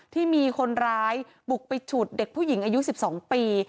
ที่มีคนร้ายบุกไปฉุดเด็กผู้หญิงอายุ๑๒ปี